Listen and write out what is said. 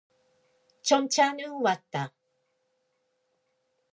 전차는 왔다.